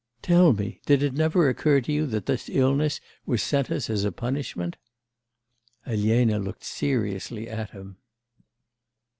'Tell me, did it never occur to you that this illness was sent us as a punishment?' Elena looked seriously at him.